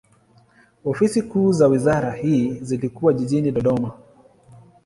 Ofisi kuu za wizara hii zilikuwa jijini Dodoma.